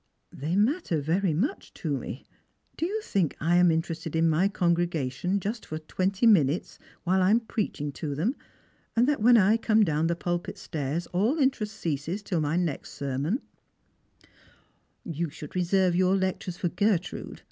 " They matter very much to me. Do you think I am in terested in my congregation just for twenty minutes, while I am preaching to them, and that when I come down the pulpit stairs all interest ceases till my next sermon P " "You should reserve your lectures for Gertrude.